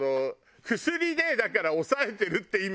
薬でだから抑えてるって意味よ。